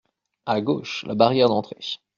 A gauche, la barrière d'entrée.